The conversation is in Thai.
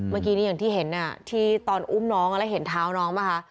เมื่อกี้นี้อย่างที่เห็นที่ตอนอุ้มน้องแล้วเห็นเท้าน้องป่ะคะ